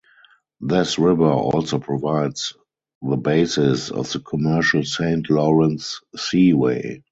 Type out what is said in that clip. This river also provides the basis of the commercial Saint Lawrence Seaway.